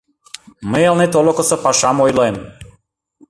Мый Элнет олыкысо пашам ойлем.